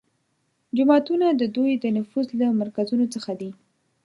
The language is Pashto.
جوماتونه د دوی د نفوذ له مرکزونو څخه دي